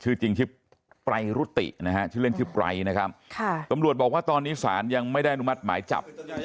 ชื่อจริงชื่อปรายรุตินะฮะชื่อเล่นชื่อไร้นะครับค่ะตำรวจบอกว่าตอนนี้ศาลยังไม่ได้อนุมัติหมายจับ